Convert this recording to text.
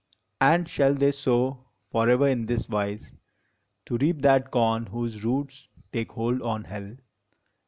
And shall they sow forever hi this wise, To reap that corn whose roots take hold on Hell?